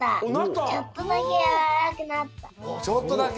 ちょっとだけ。